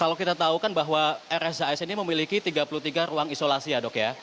kalau kita tahu kan bahwa rsjs ini memiliki tiga puluh tiga ruang isolasi ya dok ya